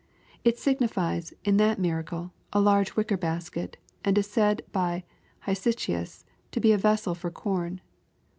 It signifies, in that miracle, a large wicker basket^ and is said by Hesychius to be a vessel for corn.